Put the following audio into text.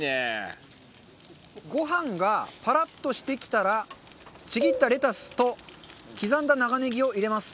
ご飯がパラッとしてきたらちぎったレタスと刻んだ長ネギを入れます。